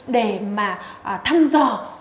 để mà thăm dò